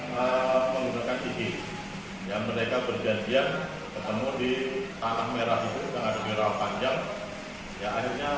menggunakan tv yang mereka berjanjian ketemu di tanah merah itu dengan gerak panjang yang akhirnya